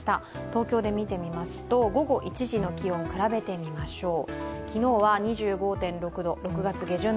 東京で見てみますと午後１時の気温を比べてみましょう。